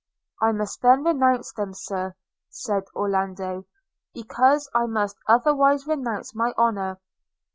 'I must then renounce them, Sir,' said Orlando; 'because I must otherwise renounce my honour.